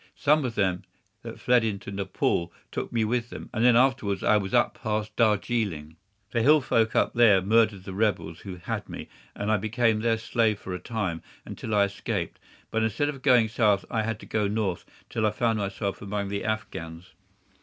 Some of them that fled into Nepaul took me with them, and then afterwards I was up past Darjeeling. The hill folk up there murdered the rebels who had me, and I became their slave for a time until I escaped; but instead of going south I had to go north, until I found myself among the Afghans.